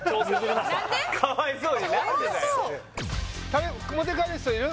かわいそうにね持って帰る人いる？